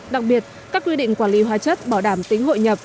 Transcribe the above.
đặc biệt các quy định quản lý hóa chất bảo đảm tính hội nhập